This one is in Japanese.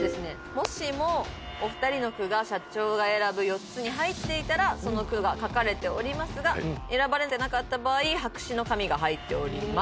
もしもお二人の句が社長が選ぶ４つに入っていたらその句が書かれておりますが選ばれてなかった場合白紙の紙が入っております